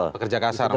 pekerja kasar maksudnya